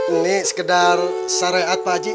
ini sekedar syariat pak haji